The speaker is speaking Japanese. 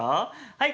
はい。